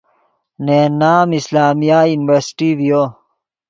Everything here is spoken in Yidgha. نے ین نام اسلامیہ یورنیورسٹی